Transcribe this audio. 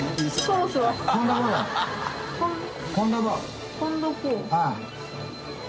うん。